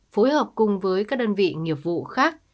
phối hợp cùng với các đơn vị nghiệp vụ khác